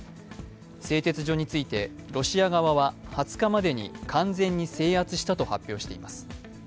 製鉄所についてロシア側は２０日までに完全に制圧したと発表しています。